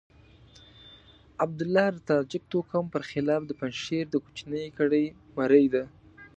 عبدالله د تاجک توکم پر خلاف د پنجشير د کوچنۍ کړۍ مرۍ ده.